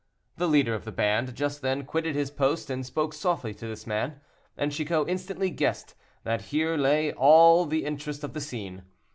The leader of the band just then quitted his post and spoke softly to this man, and Chicot instantly guessed that here lay all the interest of the scene.